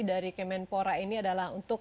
dari kemenpora ini adalah untuk